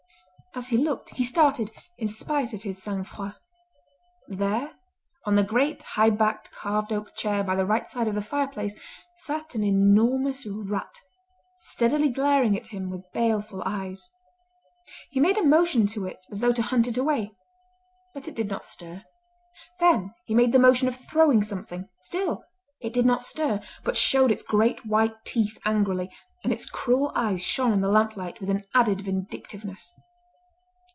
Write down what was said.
As he looked he started in spite of his sang froid. There on the great high backed carved oak chair by the right side of the fireplace sat an enormous rat, steadily glaring at him with baleful eyes. He made a motion to it as though to hunt it away, but it did not stir. Then he made the motion of throwing something. Still it did not stir, but showed its great white teeth angrily, and its cruel eyes shone in the lamplight with an added vindictiveness.